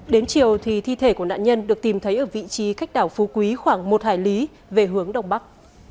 đến chiều thì thi thể của nạn nhân được tìm thấy ở vị trí cách đảo phú quý khoảng một hải lý về hướng đông bắc